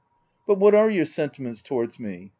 " But what are your sentiments towards me